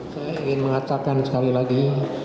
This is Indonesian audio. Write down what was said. saya ingin mengatakan sekali lagi